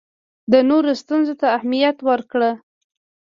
د نورو ستونزو ته اهمیت ورکړه.